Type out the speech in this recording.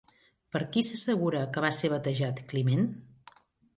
Per qui s'assegura que va ser batejat Climent?